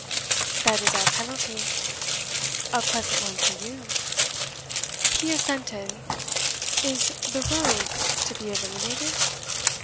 "That is our penalty." "A pleasant one for you." He assented. "Is the 'rogue' to be eliminated?"